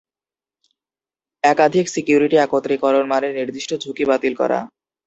একাধিক সিকিউরিটি একত্রীকরণ মানে নির্দিষ্ট ঝুঁকি বাতিল করা।